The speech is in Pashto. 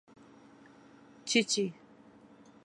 🐤چېچۍ